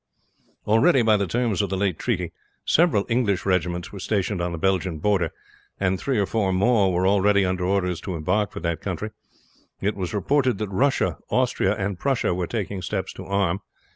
Already, by the terms of the late treaty, several English regiments were stationed on the Belgian frontier, and three or four more were already under orders to embark for that country. It was reported that Russia, Austria, and Prussia were taking steps to arm.